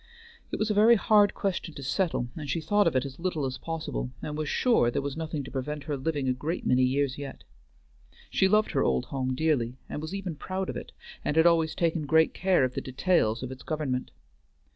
It was a very hard question to settle, and she thought of it as little as possible, and was sure there was nothing to prevent her living a great many years yet. She loved her old home dearly, and was even proud of it, and had always taken great care of the details of its government.